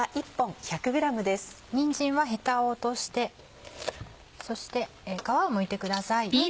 にんじんはヘタを落としてそして皮をむいてください。